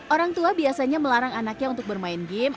orang tua biasanya melarang anaknya untuk bermain game